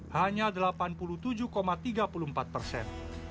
hanya delapan puluh tujuh tiga puluh empat persen